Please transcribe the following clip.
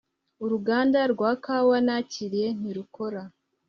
Uruganda rwa kawa nakiriye ntirukora